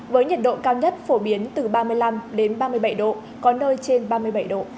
với nhiệt độ cao nhất phổ biến từ ba mươi năm đến ba mươi bảy độ có nơi trên ba mươi bảy độ